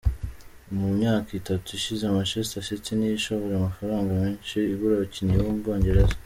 Mu myaka itatu ishize Manchester City niyo ishora amafranga menshi igura abakinnyi mu Bwongereza.